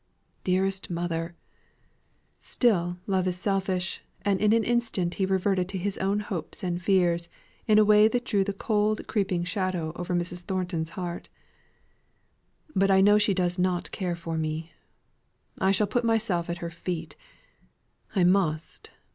"Dearest mother!" (Still love is selfish, and in an instant he reverted to his own hopes and fears in a way that drew the cold creeping shadow over Mrs. Thornton's heart.) "But I know she does not care for me. I shall put myself at her feet I must.